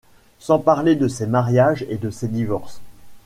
Sans parler de ses mariages et de ses divorces.